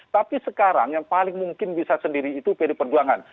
tapi sekarang yang paling mungkin bisa sendiri itu pd perjuangan